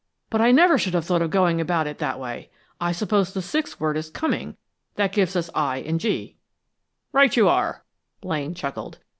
"But I never should have thought of going about it that way. I suppose the sixth word is coming. That gives us i and g." "Right you are," Blaine chuckled.